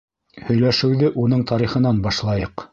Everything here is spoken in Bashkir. Һөйләшеүҙе уның тарихынан башлайыҡ.